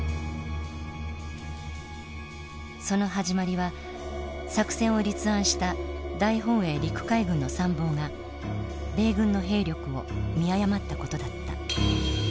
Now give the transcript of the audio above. その始まりは作戦を立案した大本営陸海軍の参謀が米軍の兵力を見誤ったことだった。